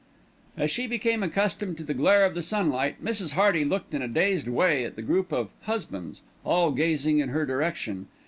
As she became accustomed to the glare of the sunlight, Mrs. Hearty looked in a dazed way at the group of "husbands," all gazing in her direction.